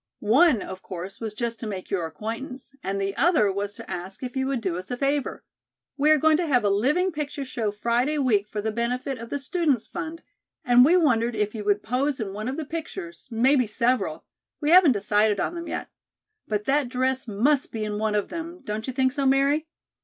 "One of course was just to make your acquaintance, and the other was to ask if you would do us a favor. We are going to have a living picture show Friday week for the benefit of the Students' Fund, and we wondered if you would pose in one of the pictures, maybe several, we haven't decided on them yet. But that dress must be in one of them, don't you think so, Mary?